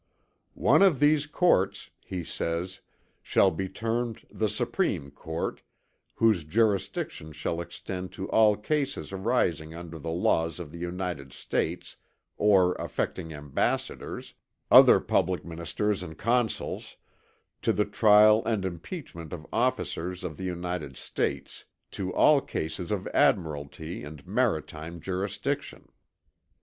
"One of these courts," he says, "shall be termed the Supreme Court, whose jurisdiction shall extend to all cases arising under the laws of the United States, or affecting ambassadors, other public ministers and consuls; to the trial and impeachment of officers of the United States; to all cases of admiralty and maritime jurisdiction."